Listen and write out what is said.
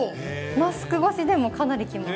マスク越しでもかなりきます。